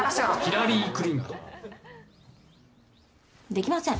「できません」